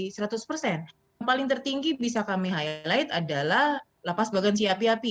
yang paling tertinggi bisa kami highlight adalah lapas bagansi api api